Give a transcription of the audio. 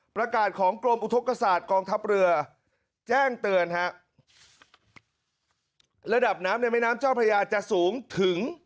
ประกาศของกรมอุทธกษาตกองทัพเรือแจ้งเตือนฮะระดับน้ำในแม่น้ำเจ้าพระยาจะสูงถึง